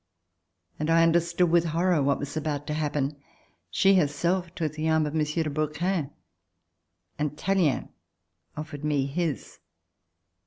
and I under stood with horror what was about to happen. She herself took the arm of M. de Brouquens and Tallien offered me his.